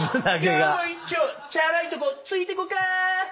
今日も一丁チャラいとこついてこか！